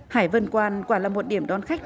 hải vân quan quả là một điểm đón khách